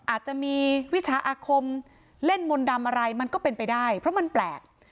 อาจจะมีวิชาอาคมเล่นมนต์ดำอะไรมันก็เป็นไปได้เพราะมันแปลก